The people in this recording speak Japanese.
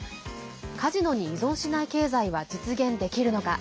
カジノに依存しない経済は実現できるのか。